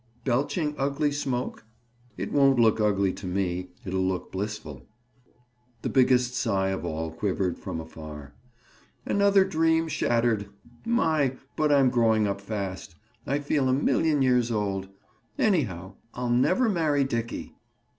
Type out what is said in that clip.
"Belching ugly smoke?" "It won't look ugly to me. It'll look blissful." The biggest sigh of all quivered from afar. "Another dream shattered! My! but I'm growing up fast. I feel a million years old. Anyhow, I'll never marry Dickie."